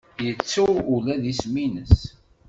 Yettu ula d isem-nnes.